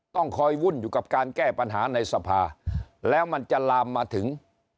ต้องคอยวุ่นอยู่กับการแก้ปัญหาในสภาแล้วมันจะลามมาถึง